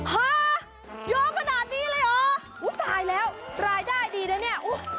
ฮะยอมขนาดนี้เลยเหรออุ้ยตายแล้วรายได้ดีนะเนี่ย